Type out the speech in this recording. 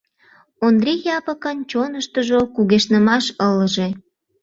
Ондри Япыкын чоныштыжо кугешнымаш ылыже.